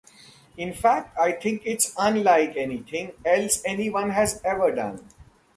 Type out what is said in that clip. In fact, I think it's unlike anything else anyone has ever done.